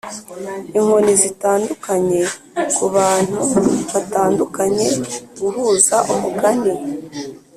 inkoni zitandukanye kubantu batandukanye guhuza umugani